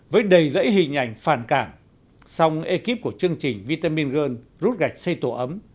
với đầy rẫy hình ảnh phản cảm song ekip của chương trình vitamin girl rút gạch xây tổ ấm